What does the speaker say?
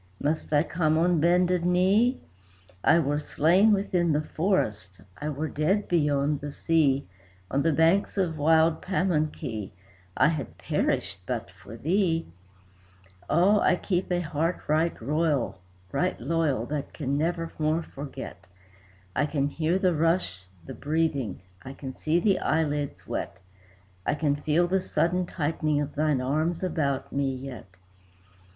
must I come on bended knee? I were slain within the forest, I were dead beyond the sea; On the banks of wild Pamunkey, I had perished but for thee. "Ah, I keep a heart right loyal, that can never more forget! I can hear the rush, the breathing; I can see the eyelids wet; I can feel the sudden tightening of thine arms about me yet.